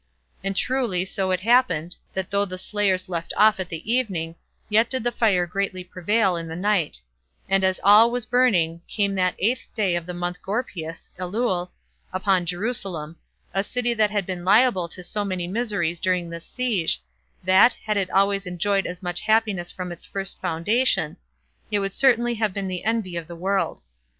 And truly so it happened, that though the slayers left off at the evening, yet did the fire greatly prevail in the night; and as all was burning, came that eighth day of the month Gorpieus [Elul] upon Jerusalem, a city that had been liable to so many miseries during this siege, that, had it always enjoyed as much happiness from its first foundation, it would certainly have been the envy of the world.